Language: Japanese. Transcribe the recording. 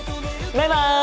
バイバイ！